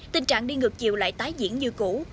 tình trạng đi ngược chiều lại tái diễn như cũ